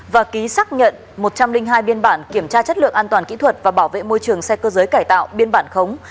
và ký xác nhận một trăm linh hai biên bản kiểm tra chất lượng an toàn kỹ thuật và bảo vệ môi trường xe cơ giới cải tạo biên bản khống